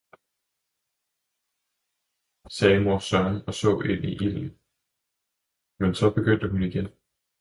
sagde mor Søren og så ind i ilden, men så begyndte hun igen.